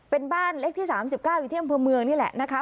เป็นบ้านเลขที่สามสิบเก้าอยู่ที่อำเภอเมืองนี่แหละนะคะ